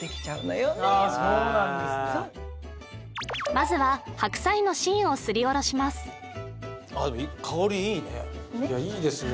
まずは白菜の芯をすりおろします・あっ香りいいね・